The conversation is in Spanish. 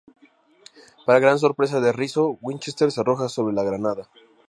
Para gran sorpresa de Rizzo, Winchester se arroja sobre la granada.